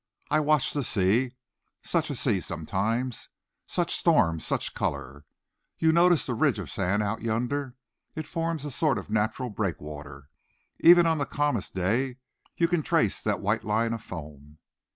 I watch the sea such a sea sometimes, such storms, such colour! You notice that ridge of sand out yonder? It forms a sort of natural breakwater. Even on the calmest day you can trace that white line of foam."